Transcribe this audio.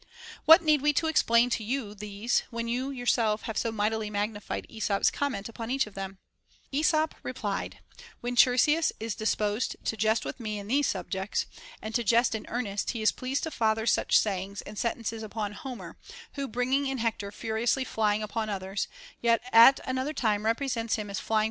What need we to explain to you these, when you yourself have so mightily magnified Ε sop's comment upon each of them. Esop replied : When Chersias is disposed to jest with me upon these subjects, and to jest in earnest, he is pleased to father such sayings and sen tences upon Homer, who, bringing in Hector furiously fly ing upon others, yet at another time represents him as flying * Called κυψέλη in Greek, whence the child was named Cypselus. (G.)